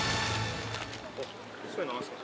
それなんですか？